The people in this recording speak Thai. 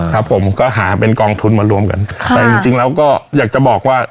ครับผมก็หาเป็นกองทุนมารวมกันค่ะแต่จริงจริงแล้วก็อยากจะบอกว่า